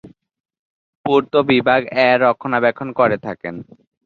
পূর্ত বিভাগ এর রক্ষণাবেক্ষণ করে থাকে।